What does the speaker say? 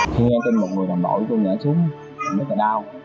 khi nghe tin một người đồng đội tôi ngã xuống tôi mới phải đau